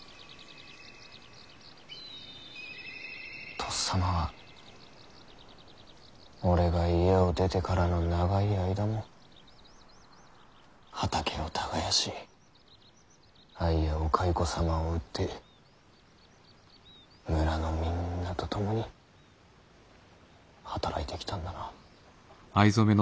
とっさまは俺が家を出てからの長い間も畑を耕し藍やお蚕様を売って村のみんなと共に働いてきたんだな。